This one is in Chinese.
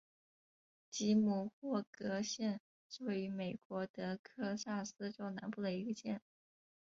吉姆霍格县是位于美国德克萨斯州南部的一个县。